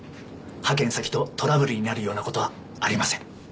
派遣先とトラブルになるような事はありません。